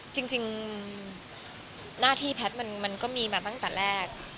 จริงหน้าที่แพทย์มันก็มีมาตั้งแต่แรก